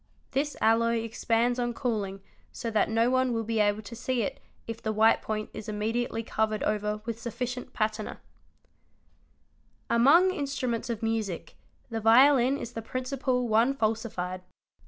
This alloy expands on cooling so ' that no one will be able to see it if the white point is immediately 2 dd MO ONE ES AES, KE PC ee A IDA ' covered over with sufticient patina. Among instruments of music, the violin is the principal one falsified.